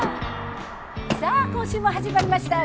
さあ今週も始まりましたＧＯ！